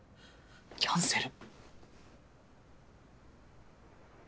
キャンセル？